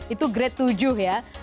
itu grade tujuh ya